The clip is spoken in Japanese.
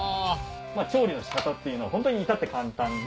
調理の仕方っていうのはホントに簡単で。